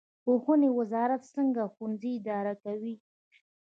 پوهنې وزارت څنګه ښوونځي اداره کوي؟